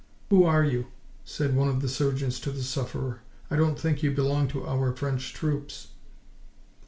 "Who are you?" said one of the surgeons to the sufferer. "I don't think you belong to our French troops."